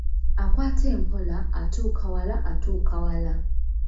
Akwata empola, atuuka wala atuuka wala.